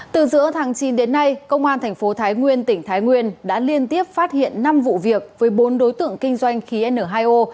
từ giữa tháng chín đến nay công an thành phố thái nguyên tỉnh thái nguyên đã liên tiếp phát hiện năm vụ việc với bốn đối tượng kinh doanh khí n hai o